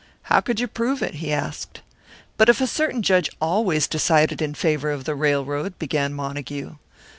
"How could you prove it?" he asked. "But if a certain judge always decided in favour of the railroad " began Montague.